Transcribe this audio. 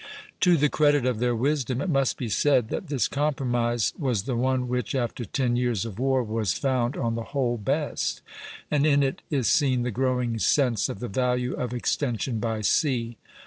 To the credit of their wisdom it must be said that this compromise was the one which after ten years of war was found, on the whole, best; and in it is seen the growing sense of the value of extension by sea.